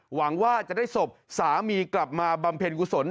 หวังว่าจะได้ศพสามีกลับมาบำเพ็ญกุศล